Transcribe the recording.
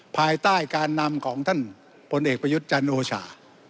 ภายใต้การนำของท่านพลเอกประยุทธ์จันโอชา